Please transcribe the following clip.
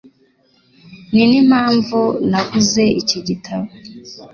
Ninimpamvu naguze iki gitabo.